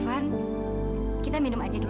akhirnya datang juga